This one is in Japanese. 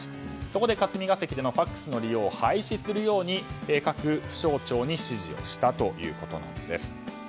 そこで霞が関でのＦＡＸの利用を廃止するように各府省庁に指示をしたということです。